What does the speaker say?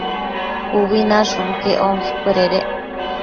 Ubi nashun quec onquecuededec